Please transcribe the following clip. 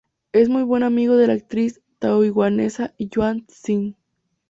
Es muy buen amigo de la actriz taiwanesa Joanne Tseng.